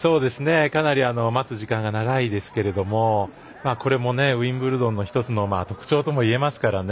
かなり待つ時間が長いですけれども、これもウィンブルドンの１つの特徴ともいえますから。